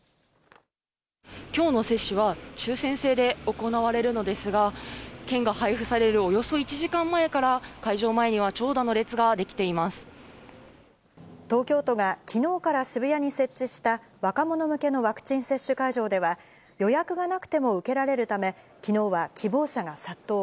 きょうの接種は抽せん制で行われるのですが、券が配布されるおよそ１時間前から、会場前には長蛇の列が出来て東京都がきのうから渋谷に設置した、若者向けのワクチン接種会場では、予約がなくても受けられるため、きのうは希望者が殺到。